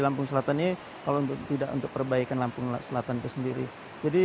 lampung selatan ini kalau untuk tidak untuk perbaikan lampung selatan itu sendiri